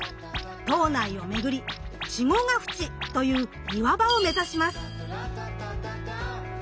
島内を巡り「稚児ヶ淵」という岩場を目指します。